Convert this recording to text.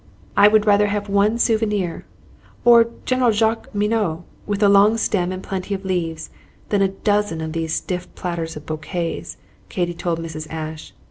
"I would rather have one Souvenir or General Jacqueminot, with a long stem and plenty of leaves, than a dozen of these stiff platters of bouquets," Katy told Mrs. Ashe.